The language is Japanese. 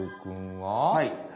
はい。